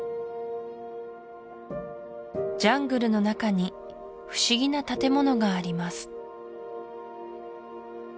ジャングルの中に不思議な建物があります